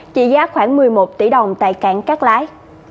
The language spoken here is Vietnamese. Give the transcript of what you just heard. trị giá khoảng một mươi một tỷ đồng tại cảng cát lái